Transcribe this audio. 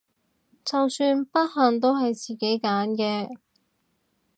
就算不幸都係自己揀嘅！